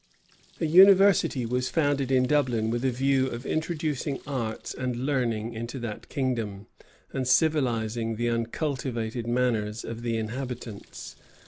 A university was founded in Dublin with a view of introducing arts and learning into that kingdom, and civilizing the uncultivated manners of the inhabitants.